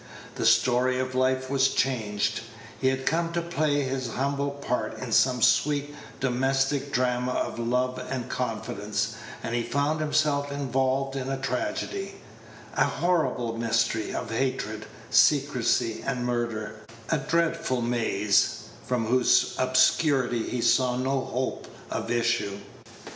The story of life was changed. He had come to play his humble part in some sweet domestic drama of love and confidence, and he found himself involved in a tragedy a horrible mystery of hatred, secrecy; and murder a dreadful maze, from whose obscurity he saw no hope of issue.